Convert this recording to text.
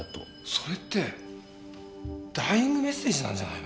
それってダイイングメッセージなんじゃないの？